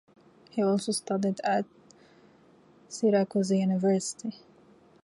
He also studied at Syracuse University.